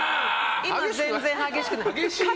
今全然激しくない。